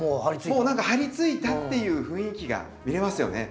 もう何か張りついたっていう雰囲気が見れますよね。